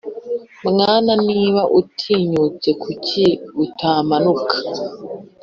mwana niba utinyutse kuki utamanuka